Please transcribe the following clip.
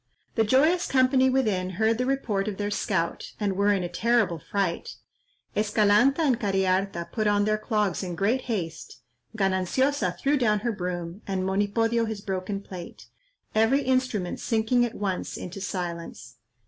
The joyous company within heard the report of their scout, and were in a terrible fright. Escalanta and Cariharta put on their clogs in great haste, Gananciosa threw down her broom, and Monipodio his broken plate, every instrument sinking at once into silence.